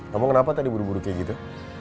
kamu kenapa tadi buru buru kayak gitu